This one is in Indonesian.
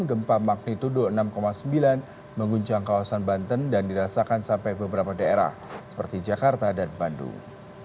gempa magnitudo enam sembilan mengguncang kawasan banten dan dirasakan sampai beberapa daerah seperti jakarta dan bandung